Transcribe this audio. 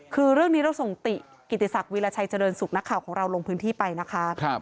คือเรื่องนี้เราส่งติกิติศักดิราชัยเจริญสุขนักข่าวของเราลงพื้นที่ไปนะคะ